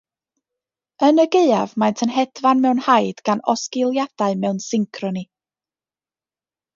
Yn y gaeaf maent yn hedfan mewn haid gan osgiliadau mewn syncroni.